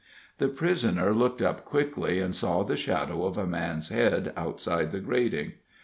The prisoner looked up quickly, and saw the shadow of a man's head outside the grating.